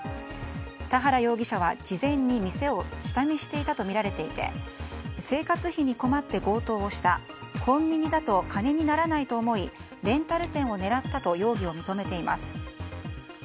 田原容疑者は事前に店を下見していたとみられていて生活費に困って強盗をしたコンビニだと金にならないと思いレンタル店を狙ったと容疑を認めています。